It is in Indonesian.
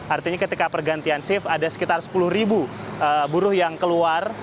artinya ketika pergantian shift ada sekitar sepuluh ribu buruh yang keluar